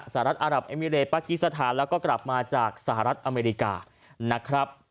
รัฐอารับเอมิเรปากีสถานแล้วก็กลับมาจากสหรัฐอเมริกานะครับ